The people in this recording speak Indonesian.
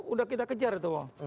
udah kita kejar tuh